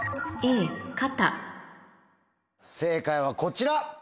正解はこちら。